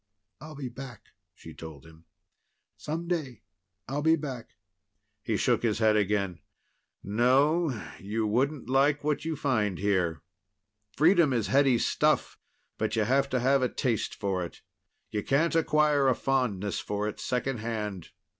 "I'll be back," she told him. "Some day I'll be back." He shook his head again. "No. You wouldn't like what you find here. Freedom is heady stuff, but you have to have a taste for it. You can't acquire a fondness for it secondhand.